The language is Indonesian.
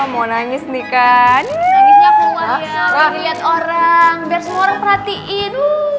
mau nangis nikah nyanyi lihat orang biar semua perhatiin